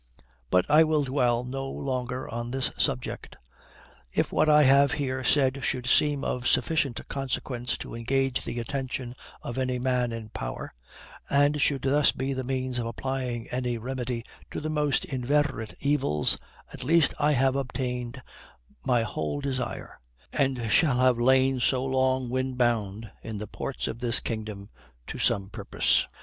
But I will dwell no longer on this subject. If what I have here said should seem of sufficient consequence to engage the attention of any man in power, and should thus be the means of applying any remedy to the most inveterate evils, at least, I have obtained my whole desire, and shall have lain so long wind bound in the ports of this kingdom to some purpose.